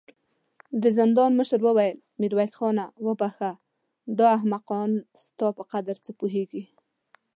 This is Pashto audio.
د زندان مشر وويل: ميرويس خانه! وبخښه، دا احمقان ستا په قدر څه پوهېږې.